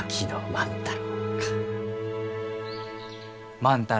万太郎。